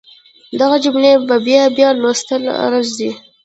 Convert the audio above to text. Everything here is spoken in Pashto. دغه جمله په بيا بيا لوستلو ارزي.